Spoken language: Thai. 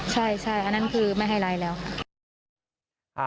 อ๋อกันใช่อันนั้นคือไม่ให้ไลค์แล้ว